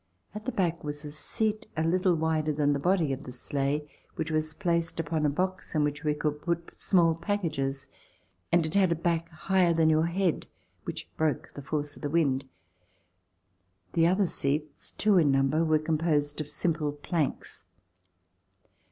At the back was a seat, a little wider than the body of the sleigh, which was placed upon a box in which we could put small packages, and it had a back higher than your head, which broke the force of the wind. The other seats — two in number — were composed of simple planks.